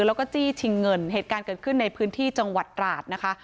แล้วก็จี้ชิงเงินเหตุการณ์เกิดขึ้นในพื้นที่จังหวัดตราดนะคะ